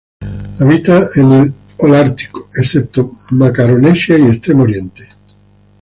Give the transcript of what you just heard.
Habita en el holártico, excepto Macaronesia y el Extremo Oriente.